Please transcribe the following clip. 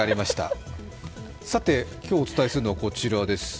今日お伝えするのはこちらです。